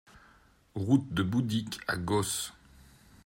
Route de Boudicq à Goos